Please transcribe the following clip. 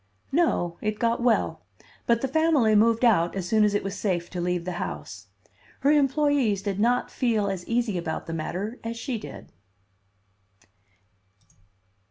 "No, it got well, but the family moved out as soon as it was safe to leave the house. Her employees did not feel as easy about the matter as she did."